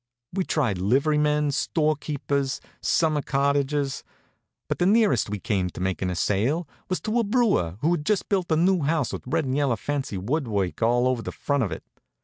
We tried liverymen, storekeepers, summer cottagers; but the nearest we came to making a sale was to a brewer who'd just built a new house with red and yellow fancy woodwork all over the front of it.